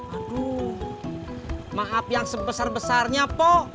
aduh maaf yang sebesar besarnya po